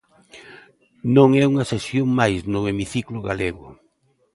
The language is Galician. Non é unha sesión máis no hemiciclo galego.